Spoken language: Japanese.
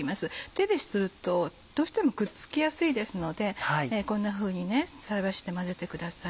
手でするとどうしてもくっつきやすいですのでこんなふうに菜箸で混ぜてください。